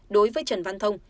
đối với trần văn thông